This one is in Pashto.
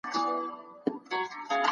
اته جمع اته؛ شپاړس کېږي.